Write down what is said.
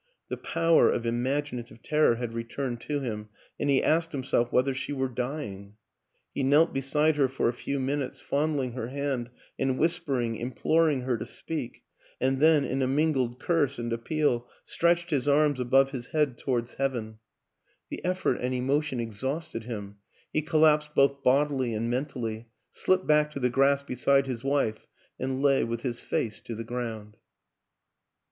The power of imaginative terror had returned to him, and he asked himself whether she were dying? ... He knelt beside her for a few minutes, fondling her hand and whispering, imploring her to speak and then, in a mingled curse and appeal, stretched his arms above his head towards heaven. WILLIAM AN ENGLISHMAN 157 The effort and emotion exhausted him; he col lapsed both bodily and mentally, slipped back to the grass beside his wife and lay with his face to the ground.